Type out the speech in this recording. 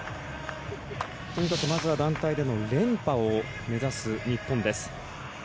とにかくまずは団体での連覇を目指す日本です。